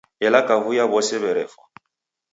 Ela kavui ya w'ose werefwa.